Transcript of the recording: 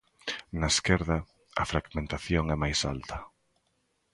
Na esquerda, a fragmentación é máis alta.